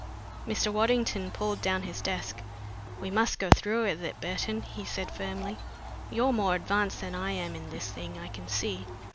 Mr. Waddington pulled down his desk. "We must go through with it, Burton," he said firmly. "You're more advanced than I am in this thing, I can see.